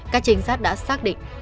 các trinh sát đã xác định